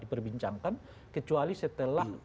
diperbincangkan kecuali setelah